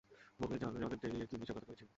বলে, জলে দেড়িয়ে কি মিছা কথা কইছি।